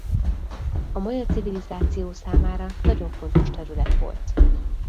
A maja civilizáció számára nagyon fontos terület volt.